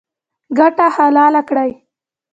ګټه حلاله کړئ